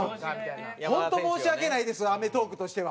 本当申し訳ないです『アメトーーク』としては。